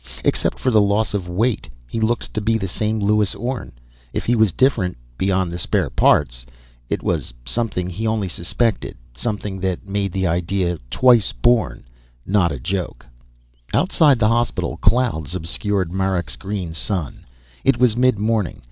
Except for the loss of weight, he looked to be the same Lewis Orne. If he was different beyond the "spare parts" it was something he only suspected, something that made the idea, "twice born," not a joke. Outside the hospital, clouds obscured Marak's green sun. It was midmorning.